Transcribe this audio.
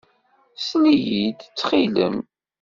Sel-iyi-d, ttxil-m.